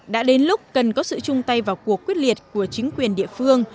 đã đến lúc cần có sự chung tay vào cuộc quyết liệt của chính quyền địa phương